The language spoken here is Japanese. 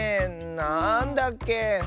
なんだっけ？